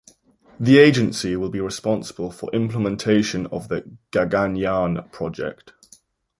The agency will be responsible for implementation of the "Gaganyaan" project.